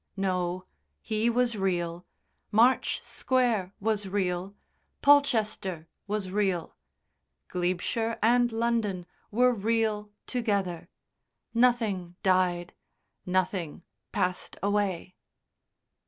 No, he was real, March Square was real, Polchester was real, Glebeshire and London were real together nothing died, nothing passed away.